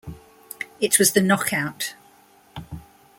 It was the knockout.